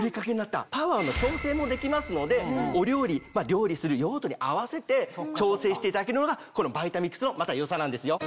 パワーの調整もできますので料理する用途に合わせて調整していただけるのがこのＶｉｔａｍｉｘの良さなんですよ。